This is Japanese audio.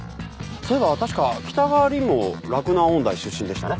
そういえば確か北川凛も洛南音大出身でしたね。